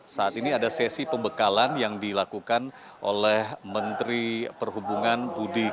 saat ini ada sesi pembekalan yang dilakukan oleh menteri perhubungan budi